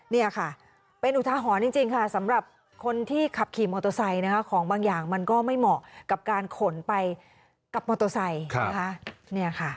นี่ค่ะเป็นอุทาหรณ์จริงค่ะสำหรับคนที่ขับขี่มอเตอร์ไซค์นะคะของบางอย่างมันก็ไม่เหมาะกับการขนไปกับมอเตอร์ไซค์นะคะ